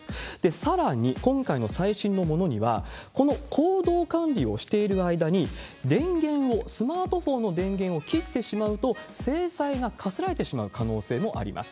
さらに、今回の最新のものには、この行動管理をしている間に、電源を、スマートフォンの電源を切ってしまうと、制裁が科せられてしまう可能性もあります。